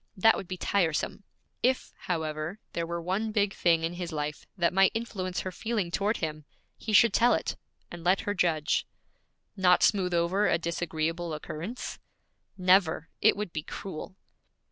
That would be tiresome. If, however, there were one big thing in his life that might influence her feeling toward him, he should tell it, and let her judge.' 'Not smooth over a disagreeable occurrence?' 'Never! It would be cruel.'